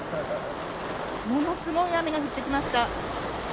ものすごい雨が降ってきました。